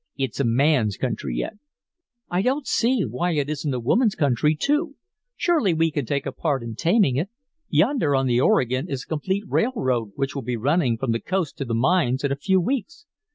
It's a man's country yet." "I don't see why it isn't a woman's country, too. Surely we can take a part in taming it. Yonder on the Oregon is a complete railroad, which will be running from the coast to the mines in a few weeks.